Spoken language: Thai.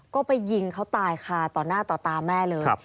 ก็ไปยิงเขาตายค่ะต่อหน้าต่อตาแม่เลย